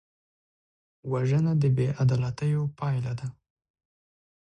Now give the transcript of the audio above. وژنه د بېعدالتیو پایله ده